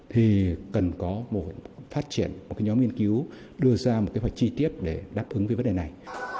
thì cần có một phát triển một nhóm nghiên cứu đưa ra một kế hoạch chi tiết để đáp ứng cái vấn đề này